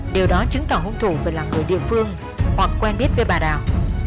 điều đó chứng tỏ hung thủ phải là người địa phương hoặc quen biết với bà đào